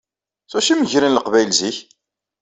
S wacu i meggren Leqbayel zik?